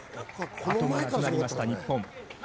後がなくなりました、日本。